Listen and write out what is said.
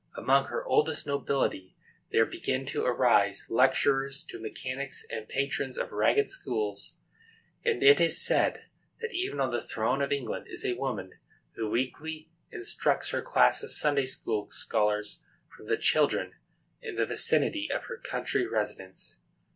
Among her oldest nobility there begin to arise lecturers to mechanics and patrons of ragged schools; and it is said that even on the throne of England is a woman who weekly instructs her class of Sunday school scholars from the children in the vicinity of her country residence.